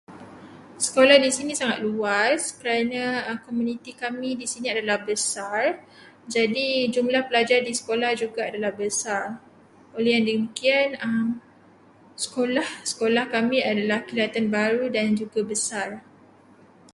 Sekolah di sini sangat luas kerana komuniti kami di sini adalah besar, jadi jumlah pelajar di sekolah juga adalah besar. Oleh yang demikian, sekolah-sekolah kami adalah kelihatan baru dan juga besar.